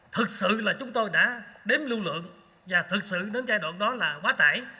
thực sự là chúng tôi đã đếm lưu lượng và thực sự đến giai đoạn đó là quá tải